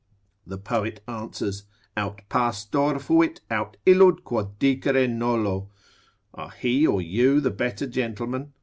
The poet answers, Aut Pastor fuit, aut illud quod dicere nolo. Are he or you the better gentleman?